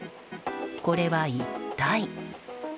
これは一体？